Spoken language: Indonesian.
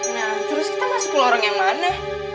nah terus kita masuk ke lorong yang mana